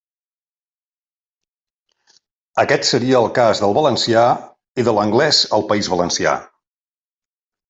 Aquest seria el cas del valencià i de l'anglés al País Valencià.